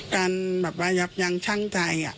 การแบบว่ายับยั้งชั่งใจ